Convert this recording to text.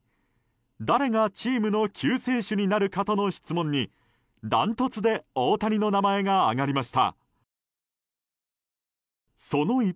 誰がチームの救世主になるかとの質問にダントツで大谷の名前が挙がりました。